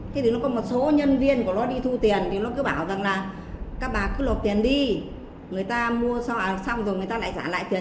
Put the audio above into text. thì nó có một số nhân viên của nó đi thu tiền thì nó cứ bảo rằng là các bà cứ lột tiền đi người ta mua xong rồi người ta lại trả lại tiền